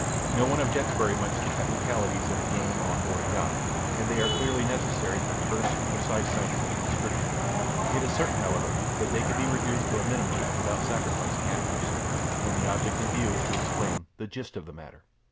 No one objects very much to technicalities in a game or on board a yacht, and they are clearly necessary for terse and precise scientific description. It is certain, however, that they can be reduced to a minimum without sacrificing accuracy, when the object in view is to explain "the gist of the matter."